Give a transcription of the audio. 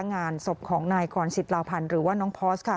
งานศพของนายกรสิทธาพันธ์หรือว่าน้องพอร์สค่ะ